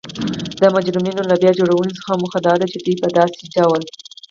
د مجرمینو له بیا جوړونې څخه موخه دا ده چی دوی په داسې ډول